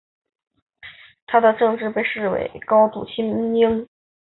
他的政策被视为高度亲英。